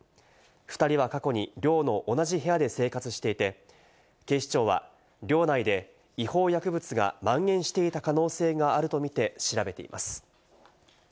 ２人は過去に寮の同じ部屋で生活していて、警視庁は寮内で違法薬物がまん延していた可能性があるとみて調べています。